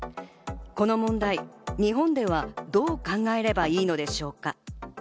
この問題、日本ではどう考えればいいのでしょうか？